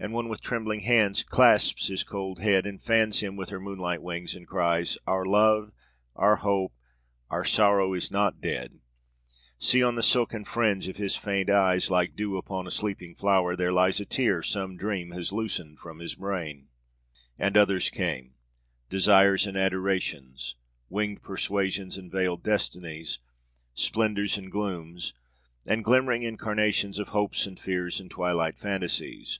And one with trembling hand clasps his cold head, and fans him with her moonlight wings, and cries: 'Our love, our hope, our sorrow is not dead; see on the silken fringe of his faint eyes, like dew upon a sleeping flower, there lies a tear some Dream has loosened from his brain.' ... And others came, Desires and Adorations, Winged Persuasions, and Veiled Destinies, Splendors and Glooms and glimmering Incarnations of hopes and fears and twilight Phantasies